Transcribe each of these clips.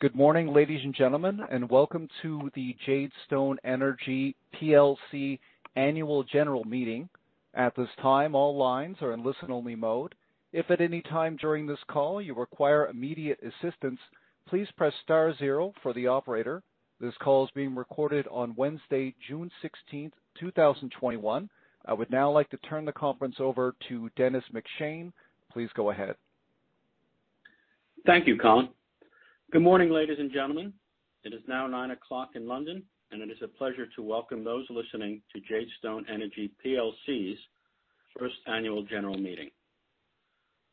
Good morning, ladies and gentlemen, and welcome to the Jadestone Energy plc Annual General Meeting. This call is being recorded on Wednesday, June 16th, 2021. I would now like to turn the conference over to Dennis McShane. Please go ahead. Thank you, Colin. Good morning, ladies and gentlemen. It is now 9:00 A.M in London, and it is a pleasure to welcome those listening to Jadestone Energy plc's first annual general meeting.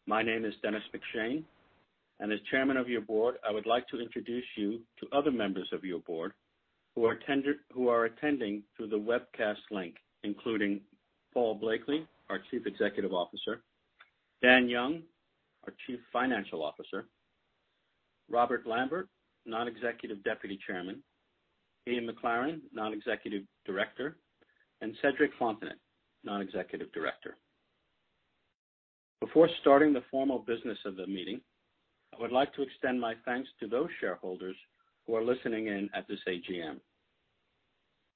My name is Dennis McShane, and as chairman of your board, I would like to introduce you to other members of your board who are attending through the webcast link, including Paul Blakeley, our Chief Executive Officer, Dan Young, our Chief Financial Officer, Robert Lambert, Non-Executive Deputy Chairman, Iain McLaren, Non-Executive Director, and Cédric Fontanet, Non-Executive Director. Before starting the formal business of the meeting, I would like to extend my thanks to those shareholders who are listening in at this AGM.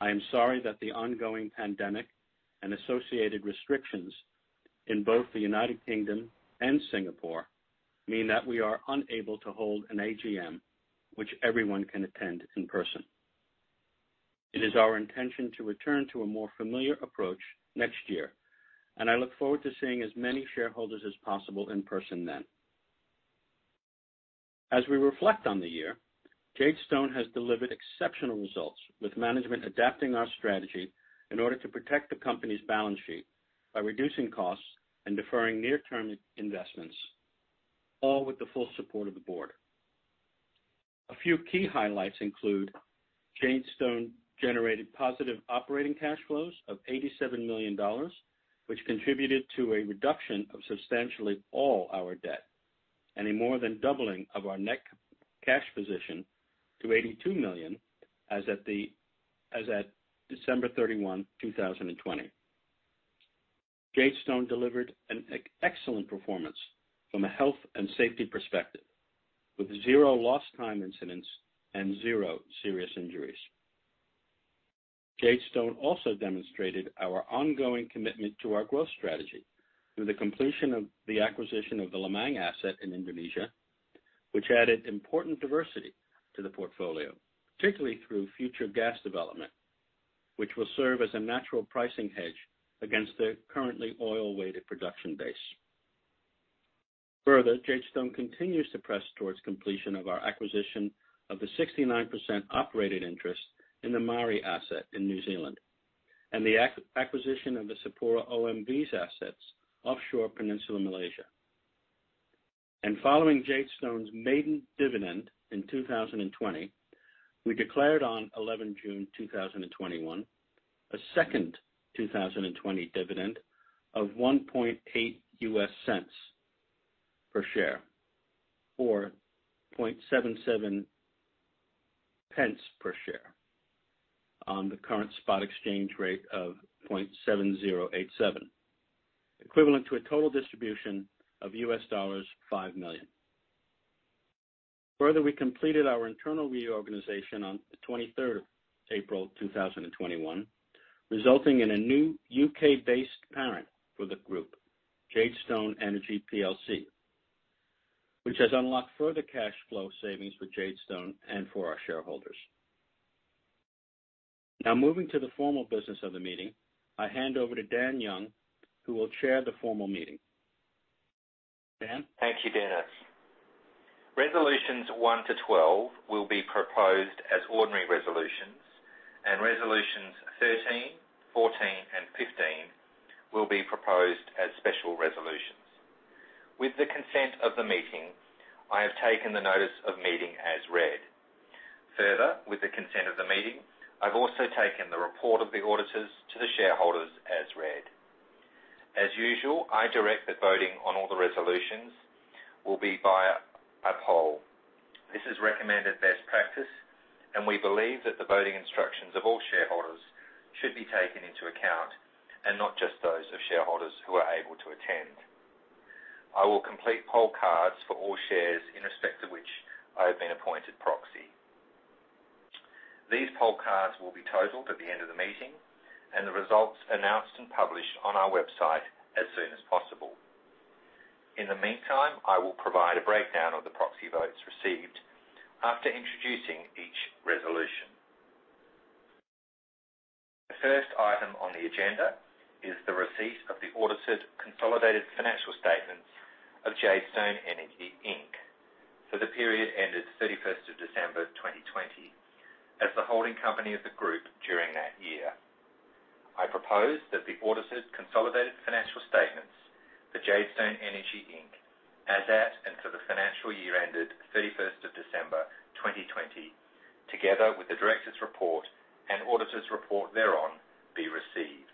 I am sorry that the ongoing pandemic and associated restrictions in both the U.K. and Singapore mean that we are unable to hold an AGM which everyone can attend in person. It is our intention to return to a more familiar approach next year, and I look forward to seeing as many shareholders as possible in person then. As we reflect on the year, Jadestone has delivered exceptional results, with management adapting our strategy in order to protect the company's balance sheet by reducing costs and deferring near-term investments, all with the full support of the board. A few key highlights include Jadestone generated positive operating cash flows of $87 million, which contributed to a reduction of substantially all our debt and a more than doubling of our net cash position to $82 million as at December 31, 2020. Jadestone delivered an excellent performance from a health and safety perspective, with zero lost time incidents and zero serious injuries. Jadestone also demonstrated our ongoing commitment to our growth strategy through the completion of the acquisition of the Lemang asset in Indonesia, which added important diversity to the portfolio, particularly through future gas development, which will serve as a natural pricing hedge against the currently oil-weighted production base. Further, Jadestone continues to press towards completion of our acquisition of the 69% operated interest in the Maari asset in New Zealand and the acquisition of the SapuraOMV's assets offshore Peninsular Malaysia. Following Jadestone's maiden dividend in 2020, we declared on June 11 2021 a second 2020 dividend of $0.018 per share or 0.0077 per share on the current spot exchange rate of 0.7087, equivalent to a total distribution of $5 million. We completed our internal reorganization on the April 23rd 2021, resulting in a new U.K.-based parent for the group, Jadestone Energy plc, which has unlocked further cash flow savings for Jadestone and for our shareholders. Moving to the formal business of the meeting, I hand over to Dan Young, who will chair the formal meeting. Dan? Thank you, Dennis. Resolutions one to 12 will be proposed as ordinary resolutions, and resolutions 13, 14, and 15 will be proposed as special resolutions. With the consent of the meeting, I have taken the notice of meeting as read. Further, with the consent of the meeting, I've also taken the report of the auditors to the shareholders as read. As usual, I direct that voting on all the resolutions will be by a poll. This is recommended best practice, and we believe that the voting instructions of all shareholders should be taken into account and not just those of shareholders who are able to attend. I will complete poll cards for all shares in respect of which I have been appointed proxy. These poll cards will be totaled at the end of the meeting and the results announced and published on our website as soon as possible. In the meantime, I will provide a breakdown of the proxy votes received after introducing each resolution. The first item on the agenda is the receipt of the audited consolidated financial statements of Jadestone Energy Inc. for the period ended December 31st 2020 as the holding company of the group during that year. I propose that the audited consolidated financial statements for Jadestone Energy Inc. as at and for the financial year ended December 31st 2020, together with the directors report and auditors report thereon, be received.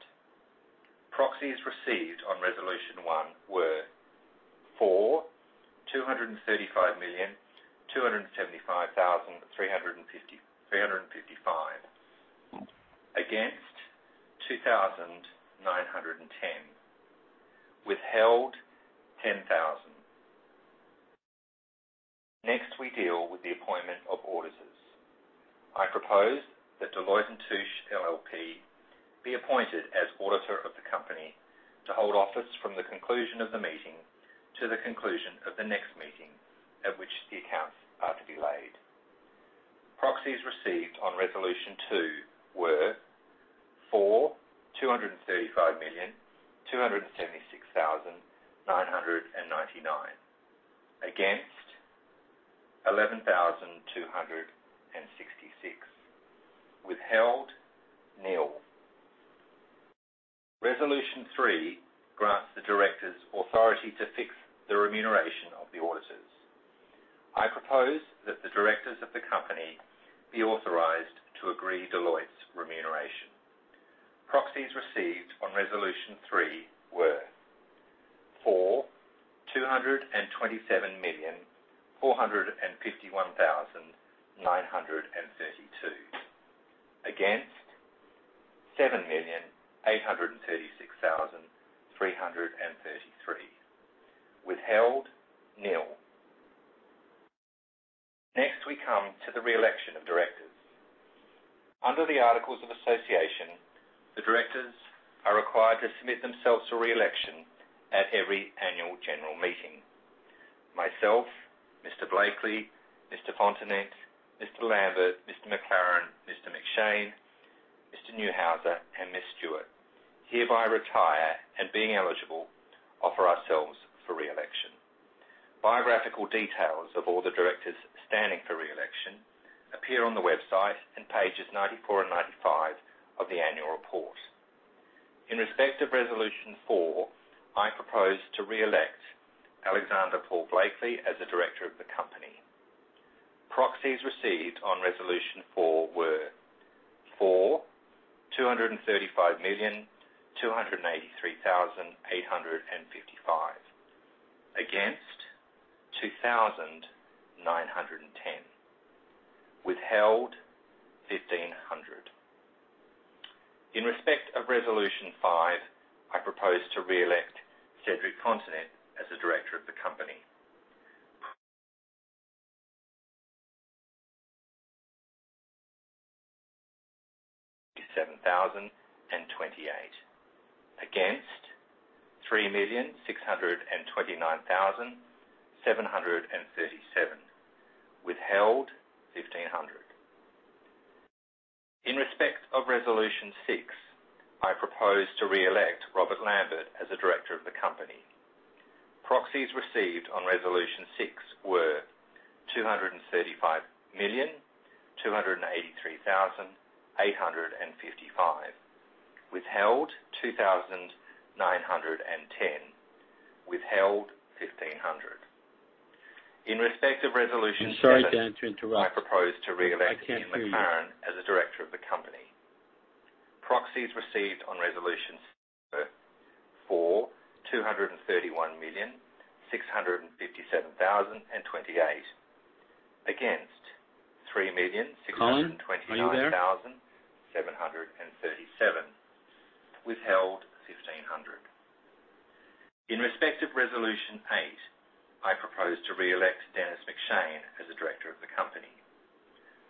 Proxies received on resolution one were: for 235,275,355 Against, 2,910. Withheld, 10,000. Next, we deal with the appointment of auditors. I propose that Deloitte & Touche LLP be appointed as auditor of the company to hold office from the conclusion of the meeting to the conclusion of the next meeting at which the accounts are to be laid. Proxies received on resolution two were: for 235,276,999. Against, 11,266. Withheld, nil. Resolution three grants the directors authority to fix the remuneration of the auditors. I propose that the directors of the company be authorized to agree Deloitte's remuneration. Proxies received on resolution three were: for 227,451,932. Against, 7,836,333. Withheld, nil. Next, we come to the re-election of directors. Under the articles of association, the directors are required to submit themselves for re-election at every annual general meeting. Myself, Mr. Blakeley, Mr. Fontanet, Mr. Lambert, Mr. McLaren, Mr. McShane, Mr. Neuhauser, and Ms. Stewart hereby retire and being eligible offer ourselves for re-election. Biographical details of all the directors standing for re-election appear on the website and pages 94 and 95 of the annual report. In respect of resolution four, I propose to re-elect Alexander Paul Blakeley as a director of the company. Proxies received on resolution four were: for 235,283,855. Against, 2,910. Withheld, 1,500. In respect of resolution five, I propose to re-elect Cédric Fontanet as a director of the company. 7,028. Against, 3,629,737. Withheld, 1,500. In respect of resolution six, I propose to re-elect Robert Lambert as a director of the company. Proxies received on resolution six were 235,283,855. Withheld, 2,910. Withheld, 1,500. In respect of resolution seven- I'm sorry, Dan, to interrupt. I propose to re-elect. I can't hear you. Iain McLaren as a Director of the company. Proxies received on resolution seven were: for 231,657,028. Against, 3,629,737. Colin, are you there? Withheld, 1,500. In respect of resolution eight, I propose to re-elect Dennis McShane as a director of the company.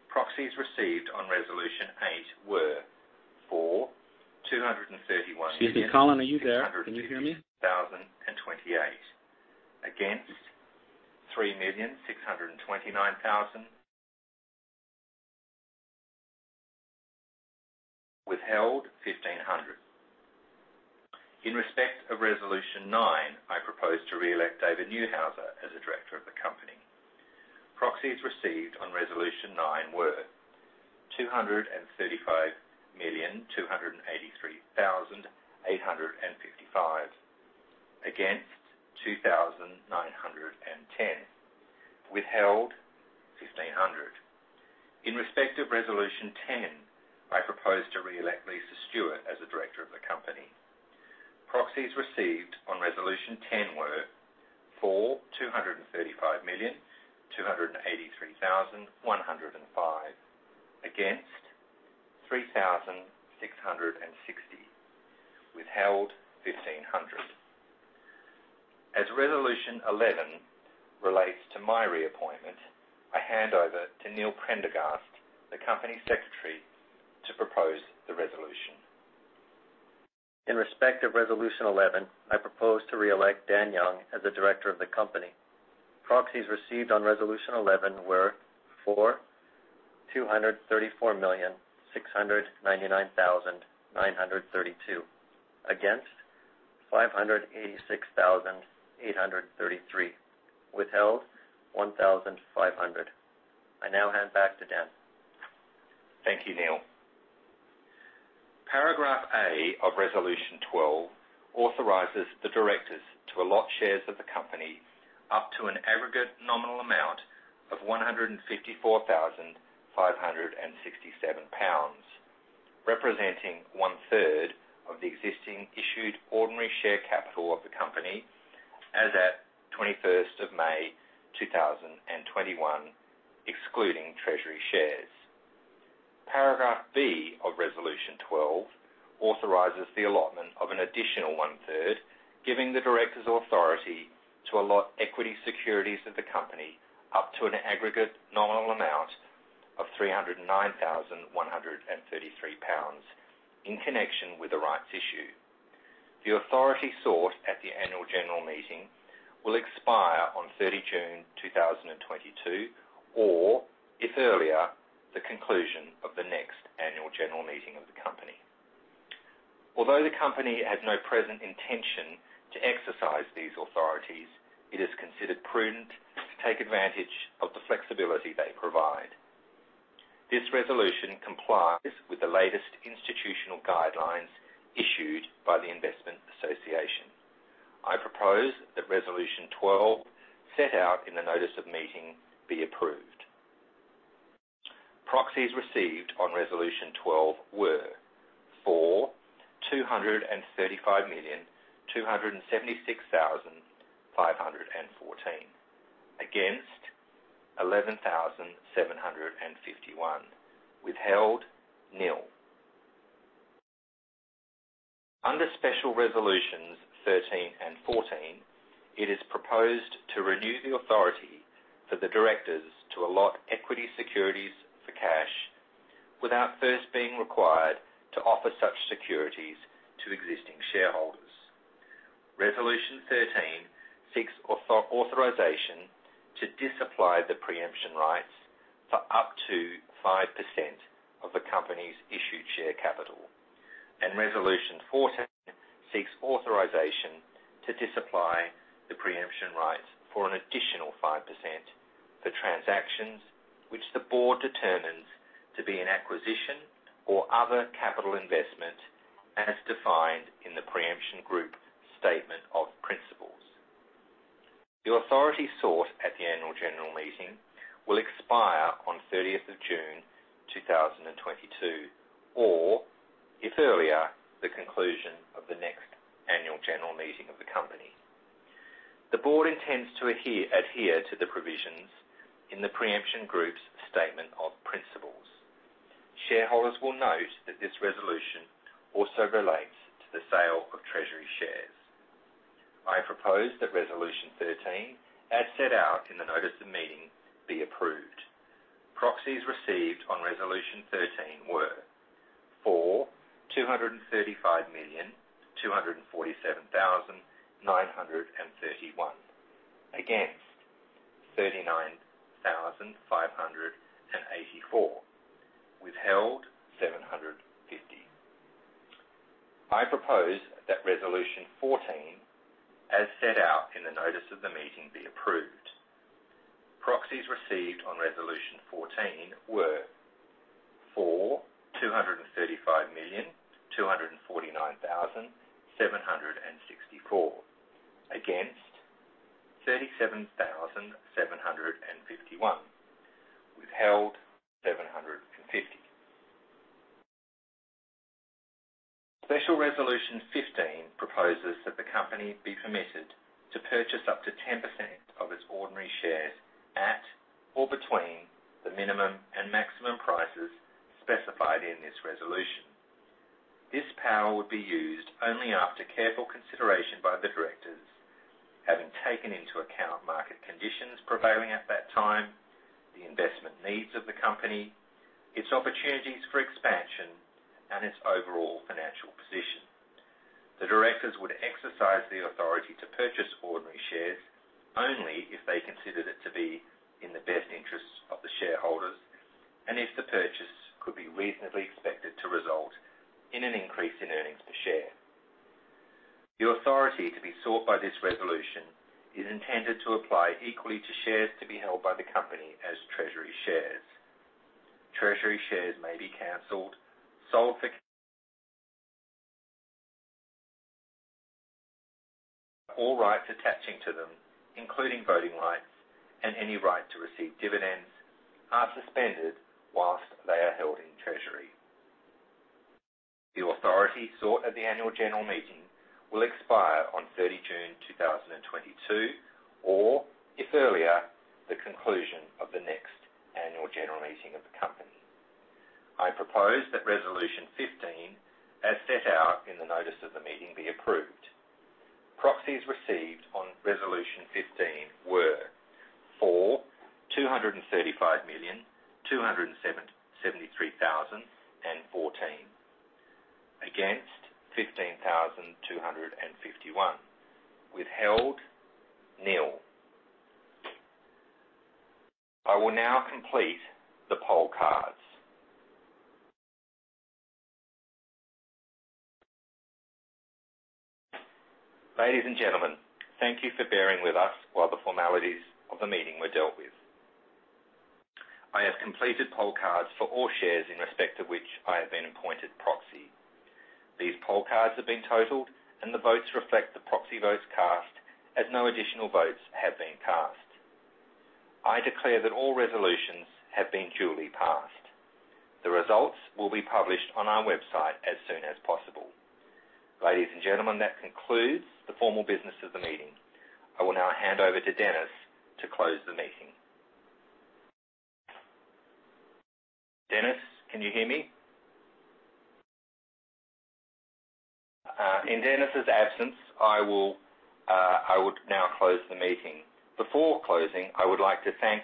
Proxies received on resolution eight were: for 231,657,028. Stephanie, Colin, are you there? Can you hear me? Against, 3,629,000. Withheld, 1,500. In respect of resolution nine, I propose to re-elect David Neuhauser as a director of the company. Proxies received on resolution nine were 235,283,855. Against, 2,910. Withheld, 1,500. In respect of resolution 10, I propose to re-elect Lisa Stewart as a director of the company. Proxies received on resolution 10 were: for 235,283,105. Against, 3,660. Withheld, 1,500. As resolution 11 relates to my reappointment, I hand over to Neil Prendergast, the Company Secretary, to propose the resolution. In respect of resolution 11, I propose to re-elect Dan Young as a director of the company. Proxies received on resolution 11 were: for 234,699,932. Against, 586,833. Withheld, 1,500. I now hand back to Dan. Thank you, Neil. Paragraph A of Resolution 12 authorizes the directors to allot shares of the company up to an aggregate nominal amount of 154,567 pounds, representing one-third of the existing issued ordinary share capital of the company. As at May 21st 2021, excluding treasury shares. Paragraph B of Resolution 12 authorizes the allotment of an additional one-third, giving the directors authority to allot equity securities of the company up to an aggregate nominal amount of 309,133 pounds in connection with the rights issue. The authority sought at the annual general meeting will expire on June 30 2022, or if earlier, the conclusion of the next annual general meeting of the company. Although the company has no present intention to exercise these authorities, it is considered prudent to take advantage of the flexibility they provide. This resolution complies with the latest institutional guidelines issued by The Investment Association. I propose that Resolution 12 set out in the notice of meeting be approved. Proxies received on Resolution 12 were: for 235,276,514, against 11,751, withheld nil. Under Special Resolutions 13 and 14, it is proposed to renew the authority for the directors to allot equity securities for cash without first being required to offer such securities to existing shareholders. Resolution 13 seeks authorization to disapply the pre-emption rights for up to 5% of the company's issued share capital. Resolution 14 seeks authorization to disapply the pre-emption rights for an additional 5% for transactions which the board determines to be an acquisition or other capital investment as defined in the Pre-Emption Group's Statement of Principles. The authority sought at the annual general meeting will expire on June 30th 2022, or if earlier, the conclusion of the next annual general meeting of the company. The board intends to adhere to the provisions in the Pre-Emption Group's Statement of Principles. Shareholders will note that this resolution also relates to the sale of treasury shares. I propose that Resolution 13, as set out in the notice of meeting, be approved. Proxies received on Resolution 13 were: for 235,247,931, against 39,584, withheld 750. I propose that Resolution 14, as set out in the notice of the meeting, be approved. Proxies received on Resolution 14 were: for 235,249,764, against 37,751, withheld 750. Special Resolution 15 proposes that the company be permitted to purchase up to 10% of its ordinary shares at or between the minimum and maximum prices specified in this resolution. This power would be used only after careful consideration by the directors, having taken into account market conditions prevailing at that time, the investment needs of the company, its opportunities for expansion, and its overall financial position. The directors would exercise the authority to purchase ordinary shares only if they considered it to be in the best interests of the shareholders, and if the purchase could be reasonably expected to result in an increase in earnings per share. The authority to be sought by this resolution is intended to apply equally to shares to be held by the company as treasury shares. Treasury shares may be canceled. All rights attaching to them, including voting rights and any right to receive dividends, are suspended whilst they are held in treasury. The authority sought at the annual general meeting will expire on June 30 2022, or if earlier, the conclusion of the next annual general meeting of the company. I propose that Resolution 15, as set out in the notice of the meeting, be approved. Proxies received on Resolution 15 were: for 235,273,014, against 15,251, withheld nil. I will now complete the poll cards. Ladies and gentlemen, thank you for bearing with us while the formalities of the meeting were dealt with. I have completed poll cards for all shares in respect of which I have been appointed proxy. These poll cards have been totaled, and the votes reflect the proxy votes cast as no additional votes have been cast. I declare that all resolutions have been duly passed. The results will be published on our website as soon as possible. Ladies and gentlemen, that concludes the formal business of the meeting. I will now hand over to Dennis to close the meeting. Dennis, can you hear me? In Dennis' absence, I will now close the meeting. Before closing, I would like to thank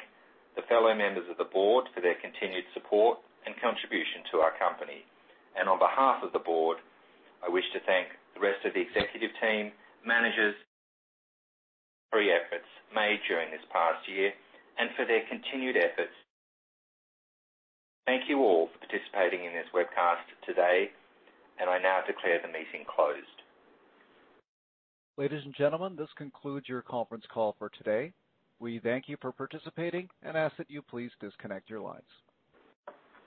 the fellow members of the board for their continued support and contribution to our company. On behalf of the board, I wish to thank the rest of the executive team, managers, extraordinary efforts made during this past year and for their continued efforts. Thank you all for participating in this webcast today, and I now declare the meeting closed. Ladies and gentlemen, this concludes your conference call for today. We thank you for participating and ask that you please disconnect your lines.